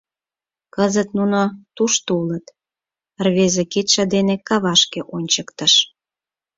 Кызыт нуно тушто улыт, — рвезе кидше дене кавашке ончыктыш.